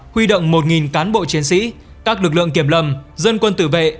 huy động một cán bộ chiến sĩ các lực lượng kiểm lâm dân quân tử vệ